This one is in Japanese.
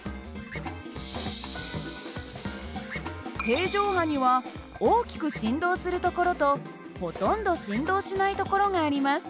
定常波には大きく振動する所とほとんど振動しない所があります。